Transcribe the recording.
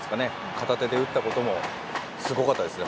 片手で打ったこともすごかったですね。